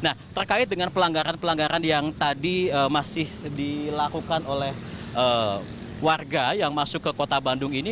nah terkait dengan pelanggaran pelanggaran yang tadi masih dilakukan oleh warga yang masuk ke kota bandung ini